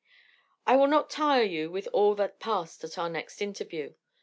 "I will not tire you with all that past at our next interview.